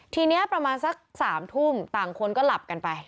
ทีนี้ประมาณสัก๓ทุ่มต่างคนก็หลับกันไป